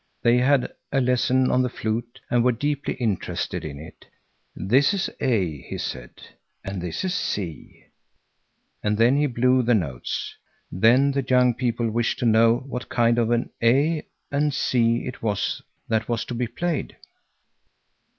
They had a lesson on the flute and were deeply interested in it. "This is A," he said, "and this is C," and then he blew the notes. Then the young people wished to know what kind of an A and C it was that was to be played.